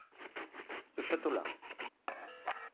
ce château-là.